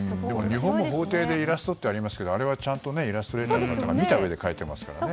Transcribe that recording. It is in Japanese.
日本の法廷でイラストってありますけどちゃんとイラストレーターが見たうえで描いてますからね。